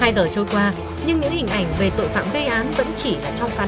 hai giờ trôi qua nhưng những hình ảnh về tội phạm gây án vẫn chỉ là trong phán đoán